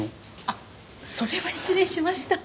あっそれは失礼しました。